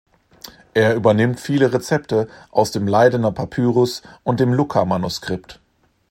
Es übernimmt viele Rezepte aus dem Leidener Papyrus und dem Lucca-Manuskript.